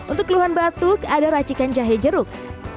untuk keluhan batuk ada racikan jahe jeruk